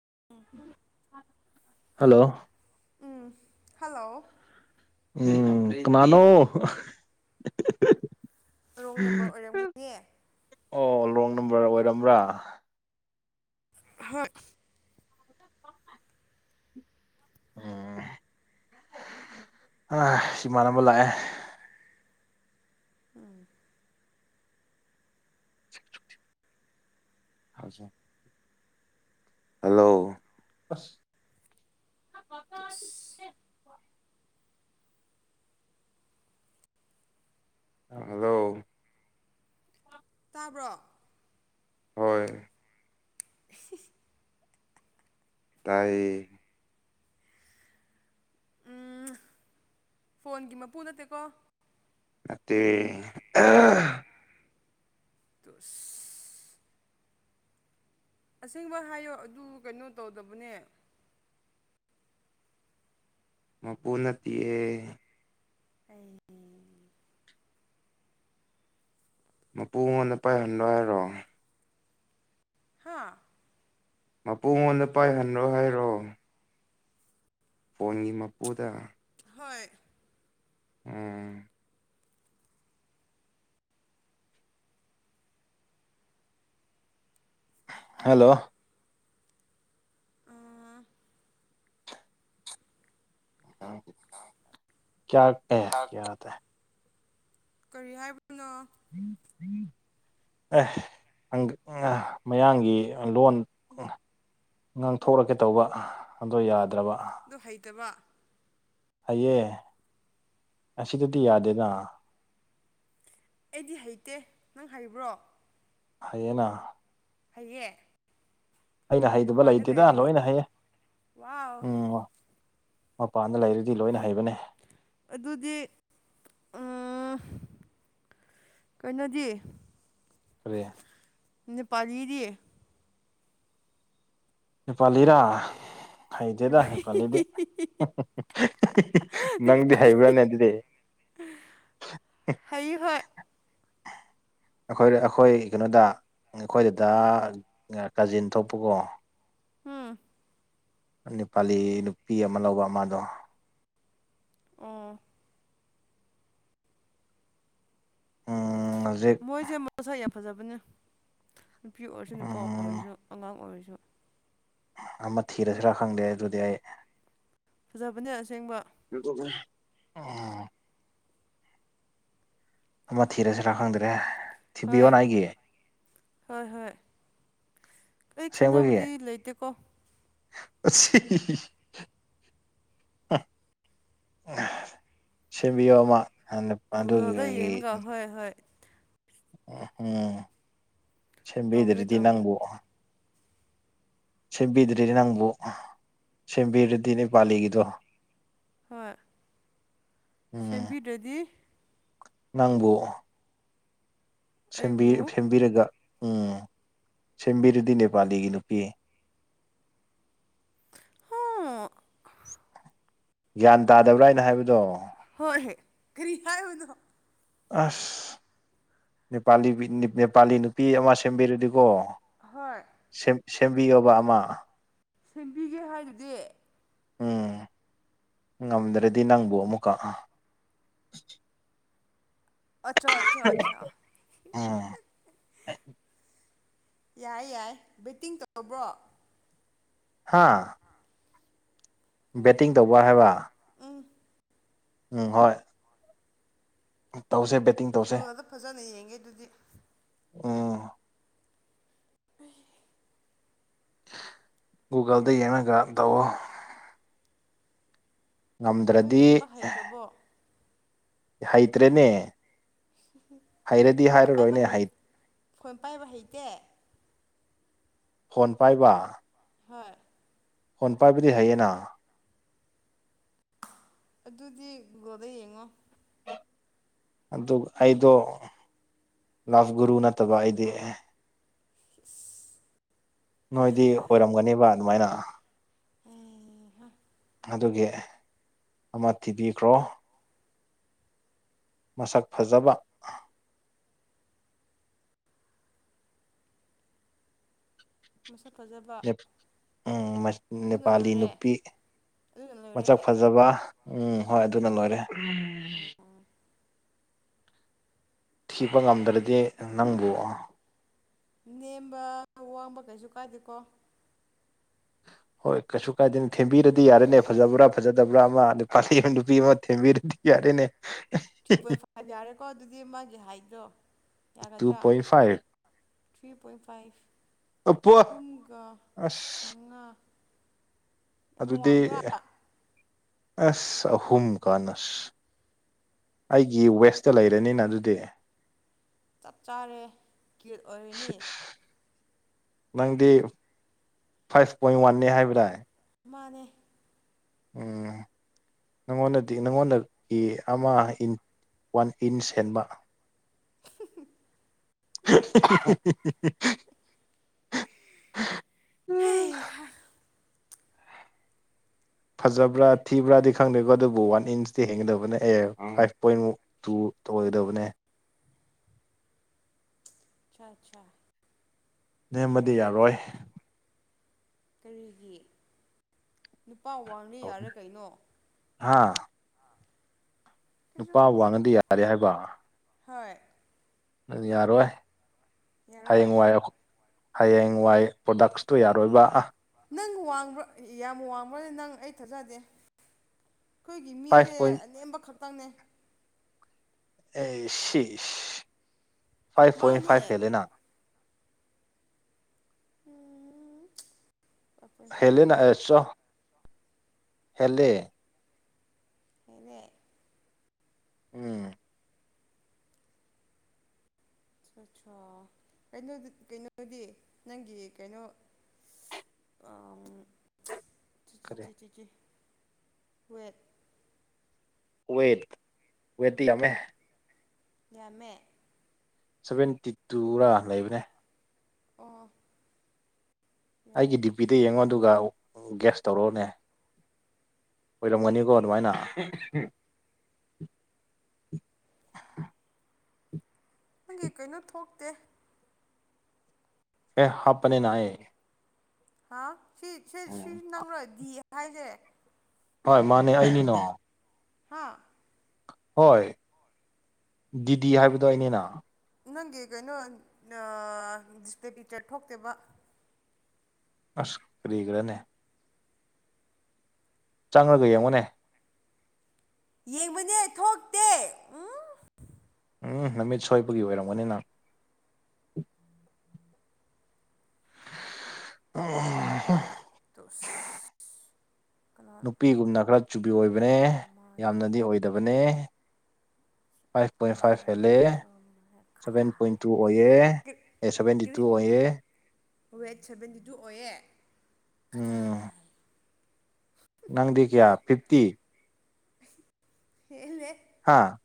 [unintelligible] hello ꯎꯝ hello ꯎꯝ ꯀꯅꯥꯅꯣ [unintelligible] ꯔꯣꯡ number ꯑꯣꯏꯔꯝꯒꯅꯤꯌꯦ ꯑꯣ ꯂꯣꯡ ꯅꯝꯕꯔ ꯑꯣꯏꯔꯝꯕ꯭ꯔꯥ ꯍꯣꯏ ꯎꯝ ꯍꯥ ꯍꯃꯥꯟꯅꯕ ꯂꯥꯛꯑꯦ ꯎꯝ ꯍꯧꯆꯦ ꯍꯜꯂꯣ ꯑꯁ ꯇꯨꯁ ꯍꯜꯂꯣ ꯇꯥꯕ꯭ꯔꯣ ꯍꯣꯏ ꯏꯁ ꯏꯁ ꯇꯥꯏꯌꯦ ꯎꯝ ꯐꯣꯟꯒꯤ ꯃꯄꯨ ꯅꯠꯇꯦꯀꯣ ꯅꯠꯇꯦ ꯇꯨꯁ ꯑꯁꯦꯡꯕ ꯍꯥꯏꯌꯣ ꯑꯗꯨ ꯀꯩꯅꯣ ꯇꯧꯗꯕꯅꯦ ꯃꯄꯨ ꯅꯠꯇꯦꯌꯦ ꯑꯩ ꯃꯄꯨꯉꯣꯟꯗ ꯄꯥꯏꯍꯟꯂꯣ ꯍꯥꯏꯔꯣ ꯍꯥꯥ ꯃꯄꯨꯉꯣꯟꯗ ꯄꯥꯏꯍꯟꯂꯣ ꯍꯥꯏꯔꯣ ꯐꯣꯟꯒꯤ ꯃꯄꯨꯗ ꯍꯣꯏ ꯎꯝ ꯍꯦꯜꯂꯣ ꯑꯥ [unintelligible] ꯀꯔꯤ ꯍꯥꯏꯕꯅꯣ [unintelligible] ꯑꯦ ꯃꯌꯥꯡꯒꯤ ꯂꯣꯟ ꯉꯥꯡꯊꯣꯔꯛꯀꯦ ꯇꯧꯕ ꯑꯗꯣ ꯌꯥꯗ꯭ꯔꯕ ꯑꯗꯨ ꯍꯩꯇꯕ ꯍꯩꯌꯦ ꯑꯁꯤꯗꯗꯤ ꯌꯥꯗꯦꯗ ꯑꯩꯗꯤ ꯍꯩꯇꯦ ꯅꯪ ꯍꯩꯕ꯭ꯔꯣ ꯍꯩꯌꯦꯅ ꯍꯩꯌꯦ ꯑꯩꯅ ꯍꯩꯗꯕ ꯃꯄꯥꯟꯗ ꯂꯩꯇꯦꯗ ꯂꯩꯕꯒꯤ ꯂꯣꯏꯅ ꯍꯩꯌꯦ ꯋꯥꯎ ꯎꯝ ꯃꯄꯥꯟꯗ ꯂꯩꯔꯗꯤ ꯂꯣꯏꯅ ꯍꯩꯕꯅꯦ ꯑꯗꯨꯗꯤ ꯎꯝ ꯀꯩꯅꯣꯗꯤ ꯀꯔꯤ ꯅꯨꯄꯥꯔꯤꯔꯤ ꯅꯦꯄꯥꯂꯤꯔꯥ ꯍꯩꯇꯦꯗ ꯅꯦꯄꯥ ꯅꯦꯄꯥꯂꯤꯗꯤ ꯅꯪꯗꯤ ꯍꯩꯕ꯭ꯔꯥꯅꯦ ꯑꯗꯨꯗꯤ ꯍꯩ ꯍꯣꯏ ꯑꯩꯈꯣꯏꯗ ꯑꯩꯈꯣꯏ ꯀꯩꯅꯣꯗ ꯑꯩꯈꯣꯏ ꯗꯥꯗꯥ ꯀꯥꯖꯤꯟ ꯊꯣꯛꯄꯀꯣ ꯍꯨꯝ ꯅꯦꯄꯥꯂꯤ ꯅꯨꯄꯤ ꯑꯃ ꯂꯧꯕ ꯑꯃꯗꯣ ꯎꯝ ꯎꯝ ꯍꯧꯖꯤꯛ ꯃꯣꯏꯖꯦ ꯃꯁꯥ ꯌꯥꯝ ꯐꯖꯕꯅꯦ ꯅꯨꯄꯤ ꯑꯣꯏꯔꯁꯨ ꯅꯨꯄꯥ ꯎꯝ ꯑꯣꯏꯔꯁꯨ ꯑꯉꯥꯡ ꯑꯣꯏꯔꯁꯨ ꯑꯃ ꯊꯤꯔꯁꯤꯔꯥ ꯈꯪꯗꯦ ꯑꯗꯨꯗꯤ ꯑꯩ ꯐꯖꯕꯅꯦ ꯑꯁꯦꯡꯕ ꯑꯥ ꯑꯃ ꯊꯤꯔꯁꯤꯔꯥ ꯈꯪꯗ꯭ꯔꯦ ꯍꯣꯏ ꯊꯤꯕꯤꯌꯣꯅ ꯑꯩꯒꯤ ꯍꯣꯏ ꯍꯣꯏ ꯑꯩ ꯈꯪꯅꯕꯗꯤ ꯂꯩꯇꯦꯀꯣ ꯑꯁꯤ ꯍꯝ ꯍꯝ ꯁꯦꯝꯕꯤꯌꯣ ꯑꯃ ꯍꯥꯟꯅ ꯨꯒꯨꯒꯜꯗ ꯌꯦꯡꯉꯒ ꯍꯣꯏ ꯍꯣꯏ ꯎꯝ ꯎꯝ ꯇꯧꯒꯦ ꯁꯦꯝꯕꯤꯗ꯭ꯔꯗꯤ ꯇꯧꯒꯦ ꯅꯪꯕꯨ ꯁꯦꯝꯕꯤꯗ꯭ꯔꯤꯗꯤ ꯅꯪꯕꯨ ꯁꯦꯝꯕꯤꯔꯗꯤꯅꯦ ꯄꯥꯂꯤꯒꯤꯗꯣ ꯍꯣꯏ ꯎꯝ ꯁꯦꯝꯕꯤꯗ꯭ꯔꯗꯤ ꯅꯪꯕꯨ ꯑꯩꯕꯨ ꯁꯦꯝꯕꯤꯔꯒ ꯎꯝ ꯁꯦꯝꯕꯤꯔꯗꯤ ꯅꯦꯄꯥꯂꯤꯒꯤ ꯅꯨꯄꯤ ꯍꯥ [inaudible] ꯒ꯭ꯌꯥꯟ ꯇꯥꯗꯕ꯭ꯔꯥ ꯍꯥꯏꯅ ꯍꯥꯏꯕꯗꯣ ꯍꯣꯏ ꯀꯔꯤ ꯍꯥꯏꯕꯅꯣ ꯑꯁ ꯅꯦꯄꯥꯂꯤ ꯅꯦꯄꯥꯂꯤ ꯅꯨꯄꯤ ꯑꯃ ꯁꯦꯝꯕꯤꯔꯗꯤꯀꯣ ꯍꯣꯏ ꯁꯦꯝ ꯁꯦꯝꯕꯤꯌꯣꯕ ꯑꯃ ꯁꯦꯝꯕꯤꯒꯦ ꯍꯥꯏꯗꯨꯗꯤ ꯎꯝ ꯉꯝꯗ꯭ꯔꯗꯤ ꯅꯪꯕꯨ ꯑꯃꯨꯛꯀ ꯑꯆꯥ ꯑꯆꯥ ꯑꯆꯥ ꯎꯝ ꯌꯥꯏ ꯌꯥꯏ ꯕꯨꯠꯇꯤꯡ ꯇꯧꯔꯕ꯭ꯔꯣ ꯍꯥꯥ ꯕꯦꯠꯇꯤꯡ ꯇꯧꯕ ꯍꯥꯏꯕ ꯎꯝ ꯎꯝ ꯍꯣꯏ ꯎꯝ ꯇꯎꯆꯦ ꯒꯨꯒꯜꯗ ꯐꯖꯅ ꯌꯦꯡꯒꯦ ꯑꯗꯨꯗꯤ ꯑꯣ ꯍꯩ ꯒꯨꯒꯜꯗ ꯌꯦꯡꯉꯒ ꯇꯧꯑꯣ ꯅꯪ ꯉꯝꯗ꯭ꯔꯥꯗꯤ ꯌꯦꯡꯕ ꯍꯩꯇ꯭ꯔꯕꯣ ꯍꯩꯇ꯭ꯔꯦꯅꯦ ꯍꯩꯔꯗꯤ ꯐꯣꯟ ꯄꯥꯏꯕ ꯍꯥꯏꯔꯔꯣꯏꯅꯦ ꯍꯩ ꯐꯣꯟ ꯄꯥꯏꯕ ꯍꯩꯇꯦ ꯐꯣꯟ ꯄꯥꯏꯕ ꯍꯣꯏ ꯐꯣꯟ ꯄꯥꯏꯕꯗꯤ ꯍꯩꯌꯦꯅ ꯑꯗꯨꯗꯤ ꯒꯣꯗ ꯌꯦꯡꯉꯣ ꯑꯗꯨ ꯑꯩꯗꯣ ꯂꯐ ꯒꯨꯔꯨ ꯅꯠꯇꯕ ꯑꯩꯗꯤ [unintelligible] ꯅꯣꯏꯗꯤ ꯑꯣꯏꯔꯝꯒꯅꯦꯕ ꯑꯗꯨꯃꯥꯏꯅ ꯎꯍꯥ ꯑꯗꯨꯒꯤ ꯑꯃ ꯊꯤꯕꯤꯈ꯭ꯔꯣ ꯃꯁꯛ ꯐꯖꯕ ꯃꯁꯛ ꯐꯖꯕ ꯎꯝ ꯑꯗꯨꯅ ꯅꯦꯄꯥꯂꯤ ꯂꯣꯏꯔꯦ ꯅꯨꯄꯤ ꯑꯗꯨꯅ ꯃꯁꯛ ꯂꯣꯏꯔꯦ ꯐꯖꯕ ꯎꯝ ꯍꯣꯏ ꯑꯗꯨꯅ ꯂꯣꯏꯔꯦ ꯊꯤꯕ ꯉꯝꯗ꯭ꯔꯗꯤ ꯅꯪꯕꯨ ꯅꯦꯝꯕ ꯋꯥꯡꯕ ꯀꯩꯁꯨ ꯀꯥꯏꯗꯦꯀꯣ ꯍꯣꯏ ꯀꯩꯁꯨ ꯀꯥꯏꯗꯦꯅ ꯊꯦꯝꯕꯤꯔꯗꯤ ꯌꯥꯔꯦꯅꯦ ꯐꯖꯕ꯭ꯔꯥ ꯐꯖꯗꯕ꯭ꯔꯥ ꯑꯃ ꯅꯨꯄꯥ ꯂꯩꯕ ꯅꯨꯄꯤ ꯑꯃ ꯊꯦꯝꯕꯤꯔꯗꯤ ꯌꯥꯔꯦꯅꯦ ꯊ꯭ꯔꯤ ꯄꯣꯏꯟ ꯐꯥꯏꯚ ꯌꯥꯔꯦꯀꯣ ꯑꯗꯨꯗꯤ ꯃꯥꯒꯤ ꯍꯥꯏꯠꯇꯣ ꯇꯨ ꯌꯥꯒꯗ꯭ꯔꯥ point five three point five ꯑꯄꯣ ꯑꯍꯨꯝꯒ ꯑꯁ ꯃꯉꯥ ꯌꯥꯝ ꯑꯗꯨꯗꯤ ꯋꯥꯡꯕ꯭ꯔꯥ ꯑꯁ ꯑꯍꯨꯝ ꯀꯥꯟꯅꯁ ꯑꯩꯒꯤ ꯋꯦꯁꯇ ꯂꯩꯔꯅꯤꯅ ꯑꯗꯨꯗꯤ ꯆꯞ ꯆꯥꯔꯦ ꯀꯨꯏꯠ ꯑꯣꯏꯔꯅꯤ ꯅꯪꯗꯤ ꯐꯥꯏꯚ ꯄꯣꯏꯟ ꯋꯥꯟꯅꯅꯤ ꯍꯥꯏꯕꯗꯥꯏ ꯃꯥꯅꯦ ꯎꯝ ꯅꯪꯉꯣꯟꯗꯗꯤ ꯅꯪꯉꯣꯟꯗꯒꯤ ꯑꯃ ꯏꯟ ꯋꯥꯟ ꯏꯟ ꯍꯦꯟꯕ [unintelligible] [unintelligible] ꯍꯩꯍꯥ ꯐꯖꯕ꯭ꯔꯥ ꯊꯤꯕ꯭ꯔꯥꯗꯤ ꯈꯪꯗꯦꯀꯣ ꯑꯗꯨꯕꯨ ꯋꯥꯟ ꯏꯟꯁꯇꯤ ꯍꯦꯟꯒꯗꯕꯅ ꯑꯦ ꯐꯥꯏꯚ ꯄꯣꯏꯟꯃꯨꯛ ꯇꯨ ꯇꯧꯔꯣꯏꯗꯕꯅꯦ ꯑꯆꯥ ꯑꯆꯥ ꯅꯦꯝꯃꯗꯤ ꯌꯥꯔꯣꯏ ꯀꯔꯤꯒꯤ ꯅꯨꯄꯥ ꯋꯥꯡꯉꯗꯤ ꯌꯥꯔ ꯀꯩꯅꯣ ꯍꯥ ꯀꯩꯁꯨ ꯅꯨꯄꯥ ꯀꯥꯏꯗꯦ ꯋꯥꯡꯉꯗꯤ ꯌꯥꯔꯦ ꯍꯥꯏꯕ ꯍꯣꯏ ꯑꯗꯨ ꯌꯥꯔꯣꯏ ꯌꯥꯔꯣꯏ ꯍꯌꯦꯡ ꯋꯥꯏ ꯑꯩꯈ ꯍꯌꯦꯡ ꯋꯥꯏ ꯄ꯭ꯔꯣꯗꯛꯁꯇꯨ ꯌꯥꯔꯣꯏꯕ ꯑꯥ ꯅꯪ ꯋꯥꯡꯕ꯭ꯔꯥ ꯌꯥꯝ ꯋꯥꯡꯕ꯭ꯔꯅꯦ ꯅꯪ ꯑꯩ ꯊꯥꯖꯗꯦ ꯑꯩꯈꯣꯏꯒꯤ ꯐꯥꯏꯚ ꯃꯤꯁꯦ ꯄꯣꯏꯟ ꯑꯅꯦꯝꯕ ꯈꯛꯇꯪꯅꯦ ꯑꯦ ꯐꯥꯏꯚ ꯄꯣꯏꯟ ꯃꯥꯅꯦ ꯐꯥꯏꯚ ꯍꯦꯂꯦꯅꯥ ꯐꯥꯏꯚ ꯄꯣꯏꯟ ꯍꯦꯂꯦꯅ ꯐꯥꯏꯚ ꯑꯦ ꯆꯣ ꯍꯦꯂꯦ ꯐꯂ [unintelligible] ꯎꯝ ꯏꯠꯁꯣ ꯀꯩꯅꯣꯗ ꯀꯩꯅꯣꯗꯤ ꯅꯪꯒꯤ ꯀꯩꯅꯣ ꯑꯝ ꯀꯔꯤ ꯋꯦꯠ ꯋꯦꯠ ꯋꯦꯠꯇꯤ ꯎꯝ ꯌꯥꯝꯃꯦ ꯌꯥꯝꯃꯦ ꯁꯚꯦꯟꯇꯤ ꯇꯨꯔ ꯑꯩ ꯂꯩꯕꯅꯦ ꯑꯣ ꯌꯥꯏ ꯑꯩꯒꯤ ꯗꯤꯄꯤꯗ ꯌꯦꯡꯉꯣ ꯑꯗꯨꯒ ꯒꯦꯁ ꯇꯧꯔꯛꯑꯣꯅꯦ ꯑꯣꯏꯔꯝꯒꯅꯤꯀꯣ ꯑꯗꯨꯃꯥꯏꯅ ꯅꯪꯒꯤ ꯀꯩꯅꯣ ꯊꯣꯛꯇꯦ ꯑꯦ ꯍꯥꯞꯄꯅꯦꯅ ꯅꯥꯍꯩ ꯍꯥ ꯁꯤ ꯁꯤ ꯁꯤ ꯅꯪꯔ ꯗꯤ ꯍꯥꯏꯁꯦ ꯍꯣꯏ ꯃꯥꯅꯦ ꯑꯩꯅꯤꯅ ꯍꯥꯥ ꯍꯣꯏ ꯗꯤꯗꯤ ꯍꯥꯏꯕꯗꯣ ꯑꯩꯅꯤꯅ ꯅꯪꯒꯤ ꯀꯩꯅꯣ ꯑꯥ ꯗꯤꯁꯄ꯭ꯂꯦ ꯄꯤꯛꯆꯔ ꯊꯣꯛꯇꯦꯕ ꯑꯁ ꯀꯔꯤꯒꯤꯔꯥꯅꯦ ꯆꯪꯂꯒ ꯌꯦꯡꯉꯨꯅꯦ ꯌꯦꯡꯕꯅꯦ ꯊꯣꯛꯇꯦ ꯎꯝ ꯎꯝ ꯅꯃꯤꯠ ꯁꯣꯏꯕꯒꯤ ꯑꯣꯏꯔꯝꯒꯥꯅꯤ ꯅꯪ ꯎꯝ ꯇꯣꯁ ꯅꯨꯄꯤꯒꯨꯝꯅ ꯈꯔ ꯆꯨꯕꯤ ꯑꯣꯏꯕꯅꯦ ꯃꯥꯅ ꯌꯥꯝꯅꯗꯤ ꯑꯣꯏꯗꯕꯅꯦ ꯐꯥꯏꯚ ꯄꯣꯏ ꯐꯥꯏꯚ ꯍꯦꯂꯦ ꯁꯚꯦꯟ ꯄꯣꯏꯟ ꯇꯨ ꯀꯗꯥꯏ ꯑꯣꯏꯌꯦ ꯀꯔꯤ ꯑꯦ ꯁꯚꯦꯟꯇꯤ ꯇꯨ ꯀꯔꯤ ꯑꯣꯏꯌꯦ ꯋꯦꯠ ꯁꯚꯦꯟꯇꯤ ꯇꯨ ꯑꯣꯏꯌꯦ ꯎꯝ ꯀꯗꯥꯏ ꯅꯪꯗꯤ ꯀꯌꯥ ꯐꯤꯞꯇꯤ ꯍꯦꯂꯦ ꯍꯥꯥ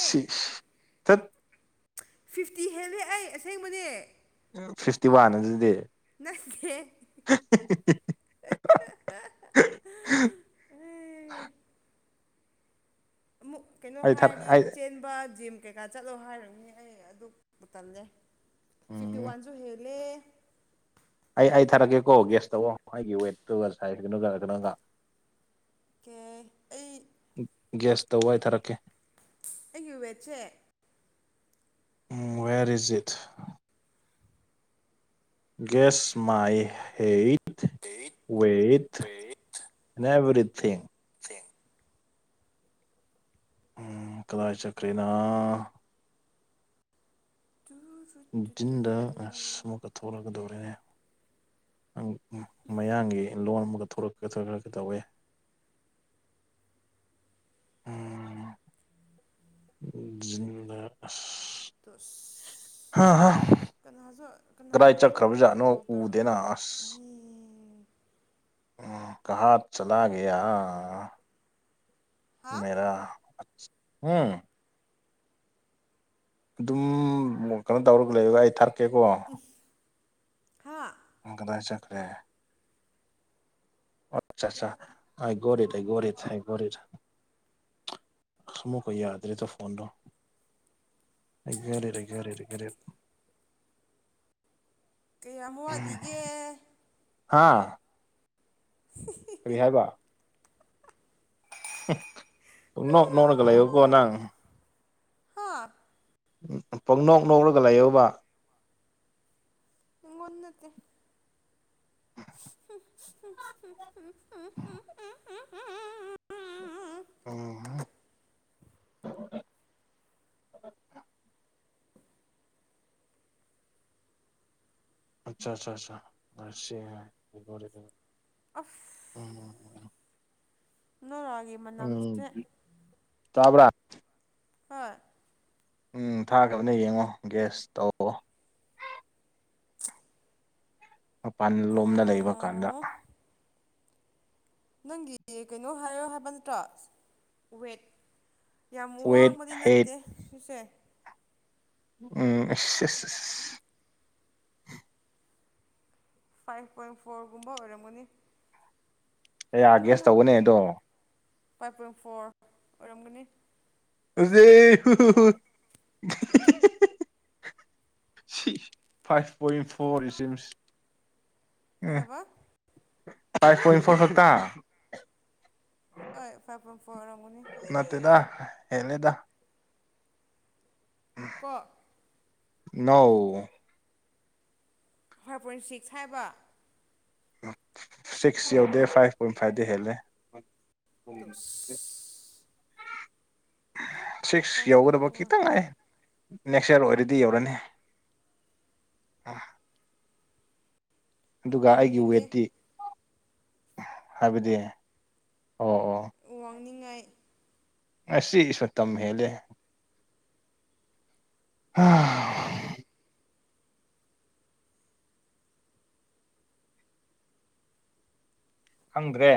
ꯁꯤꯛꯁ ꯐꯤꯐꯇꯤ ꯍꯦꯜꯂꯦ ꯑꯩ ꯑꯁꯦꯡꯕꯅꯦ ꯐꯤꯐꯇꯤ ꯋꯥꯟ ꯑꯗꯨꯗꯤ ꯅꯪꯀꯦ ꯑꯃꯨꯛ ꯀꯩꯅꯣ ꯑꯩ ꯊꯥꯔ ꯍꯥꯏꯔꯗꯤ ꯑꯩ ꯆꯦꯟꯕ ꯖꯤꯝ ꯀꯩꯀꯥ ꯆꯠꯂꯣ ꯍꯥꯏꯔꯅꯤ ꯑꯩ ꯑꯗꯨꯕꯨ ꯇꯜꯂꯦ ꯐꯤꯐꯇꯤ ꯎꯝ ꯋꯥꯟꯖꯨ ꯍꯦꯜꯂꯦ ꯑꯩ ꯑꯩ ꯊꯥꯔꯛꯀꯦꯀꯣ ꯒꯦꯁꯇꯧꯋꯣ ꯑꯩꯒꯤ ꯋꯦꯠꯇꯨꯒꯥ ꯁꯥꯏ [unintelligible] ꯀꯦ ꯑꯩ ꯒꯦꯁꯇꯧꯑꯣ ꯑꯩ ꯊꯥꯔꯛꯀꯦ ꯑꯩꯒꯤ ꯋꯦꯠ ꯁꯦ ꯎꯝ ꯋꯦꯔ ꯏ ꯖꯤꯠ ꯒꯦꯁꯠ ꯃꯥꯏ ꯍꯦꯠ ꯋꯦꯠ ꯋꯦꯠ ꯅꯦꯕꯦꯔꯤꯊꯤꯡ ꯊꯦꯡ ꯎꯝ ꯀꯗꯥꯏ ꯆꯠꯈ꯭ꯔꯦꯅ ꯇꯨꯠ [unintelligible] ꯑꯁ ꯑꯃꯨꯛꯀꯥ ꯊꯣꯛꯂꯛꯀꯥꯗꯣꯔꯦ ꯑꯝ ꯎꯝ ꯃꯌꯥꯡꯒꯤ ꯂꯣꯟ ꯑꯃꯒꯥ ꯊꯣꯂꯛꯀꯦ ꯊꯣꯂꯛꯀꯦ ꯇꯧꯋꯦ ꯎꯝ [unintelligible] ꯖꯥꯅꯤꯡꯕ ꯑꯁ ꯇꯣꯁ ꯍꯥ ꯍꯥ ꯀꯩꯅꯖꯨ ꯀꯅꯥꯅꯣ ꯀꯗꯥꯏ ꯑꯗꯨꯝ ꯆꯠꯈ꯭ꯔꯕꯖꯥꯠꯅꯣ ꯀꯣꯜ ꯇꯧꯔꯒ ꯂꯩ ꯎꯗꯦꯅ [unintelligible] ꯑꯁ ꯎꯝ ꯀꯍꯥ ꯆꯥꯂꯥ ꯒꯥꯌꯥ ꯍꯥ ꯃꯦꯔꯥ ꯍꯝ ꯑꯗꯨꯝ ꯃꯣ ꯀꯩꯅꯣ ꯇꯧꯔꯒ ꯂꯩꯌꯨꯒꯥ ꯑꯩ ꯊꯥꯔꯛꯀꯦꯀꯣ ꯎꯝ ꯍꯥ ꯅꯪ ꯀꯗꯥꯏ ꯆꯥꯠꯈ꯭ꯔꯦ ꯑꯠ ꯆꯥ ꯆꯥ ꯑꯥꯏ ꯒꯣꯔꯤꯠ ꯑꯥꯏ ꯒꯣꯔꯤꯠ ꯑꯥꯏ ꯒꯣꯔꯤꯠ ꯑꯃꯨꯛꯀꯥ ꯌꯥꯗꯔꯦꯗ ꯐꯣꯟꯗꯣ ꯑꯥꯏ ꯒꯦꯔꯤꯠ ꯑꯥꯏ ꯒꯦꯔꯤꯠ ꯑꯥꯏ ꯒꯦꯔꯤꯠ ꯀꯌꯥꯝ ꯋꯥꯠꯂꯤꯒꯦ ꯍꯥꯥ [unintelligible] ꯀꯔꯤ ꯍꯥꯏꯕ ꯅꯣꯛ ꯅꯣꯛꯔꯒ ꯂꯩꯌꯣꯀꯣ ꯅꯪ ꯍꯥ ꯄꯣꯛꯅꯣꯛ ꯅꯣꯛꯔꯒ ꯂꯩꯌꯣꯕ ꯑꯩꯉꯣꯟ ꯅꯠꯇꯦ [unintelligible] [unintelligible] ꯑꯣ ꯍꯣ [unintelligible] ꯑꯆꯥ ꯆꯥ ꯆꯥ ꯑꯆꯦ [unintelligible] [unintelligible] ꯎꯝ ꯅꯣꯔꯒꯤꯞ ꯎꯝ ꯇꯕ꯭ꯔꯥ ꯍꯣꯢ ꯎꯝ ꯊꯥꯈ꯭ꯔꯕꯅꯦ ꯌꯦꯡꯉꯣ ꯒꯦꯁ ꯇꯧ ꯃꯄꯥꯟ ꯂꯣꯝꯅ ꯂꯩꯕ ꯀꯥꯟꯗ ꯑꯣ ꯅꯪꯒꯤ ꯀꯩꯅꯣ ꯍꯥꯏꯌꯣ ꯍꯥꯏꯕ ꯅꯠꯇ꯭ꯔꯣ ꯋꯦꯠ ꯌꯥꯝ ꯋꯦꯠ ꯋꯥꯡꯕꯗꯤ ꯍꯦꯠ ꯅꯠꯇꯦ ꯁꯤꯁꯦ ꯎꯝ [unintelligible] ꯐꯥꯏꯚ ꯄꯣꯏꯟ ꯐꯣꯔꯒꯨꯝꯕ ꯑꯣꯏꯔꯝꯒꯅꯤ ꯐꯥꯏ ꯀꯌꯥ ꯅꯣ ꯒ꯭ꯌꯥꯁ ꯅꯣ ꯇꯧꯒꯅꯤ ꯑꯗꯣ ꯐꯥꯏꯚ ꯄꯣꯏꯟ ꯐꯣꯔ ꯑꯣꯏꯔꯝꯒꯅꯤ [unintelligible] ꯍꯨꯍꯨꯍꯨ ꯍꯤꯍꯤ ꯁꯤ ꯐꯥꯏꯚ ꯄꯣꯏꯟ ꯐꯣꯔ [unintelligible] ꯀꯩ ꯑꯦ ꯍꯥꯏꯕ ꯐꯥꯏꯚ ꯄꯣꯏꯟ ꯐꯣꯔ ꯈꯛꯇ ꯍꯣꯏ ꯐꯥꯏꯚ ꯄꯣꯏꯟ ꯐꯣꯔ ꯑꯣꯏꯔꯝꯒꯅꯤ ꯅꯠꯇꯦꯗ ꯍꯦꯜꯂꯦꯗ ꯀꯣ ꯅꯣ ꯐꯥꯏꯚ ꯄꯣꯏꯟ ꯁꯤꯛꯁ ꯍꯥꯏꯕ ꯁꯤꯛꯁ ꯌꯧꯗꯦ ꯐꯥꯏꯚ ꯄꯣꯏꯟ ꯐꯥꯏꯚꯗꯤ ꯍꯦꯜꯂꯦ ꯇꯨꯁ ꯁꯤꯛꯁ ꯐꯥꯏꯚ ꯄꯣꯏꯟ ꯌꯧꯒꯗꯧꯕ ꯐꯣꯔ ꯈꯤꯇꯪ ꯉꯥꯏꯌꯦ ꯅꯦꯛꯁ ꯌꯔ ꯑꯣꯏꯔꯗꯤ ꯌꯧꯔꯅꯤ ꯑꯗꯨꯒ ꯃꯇꯝ ꯑꯩꯒꯤ ꯍꯦꯜꯂꯦ ꯋꯦꯠꯇꯤ ꯍꯥꯏꯕꯗꯤ ꯑꯣ ꯑꯣ ꯋꯥꯡꯅꯤꯡꯉꯥꯏ ꯑꯁꯤ ꯏꯁ ꯃꯇꯝ ꯍꯦꯜꯂꯦ ꯍꯥ ꯈꯪꯗ꯭ꯔꯦ